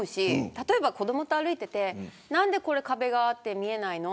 例えば子どもと歩いていて何でこれ壁があって見えないの。